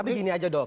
tapi gini aja dong